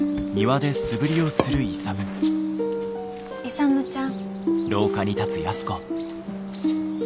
勇ちゃん。